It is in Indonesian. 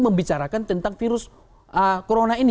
membicarakan tentang virus corona ini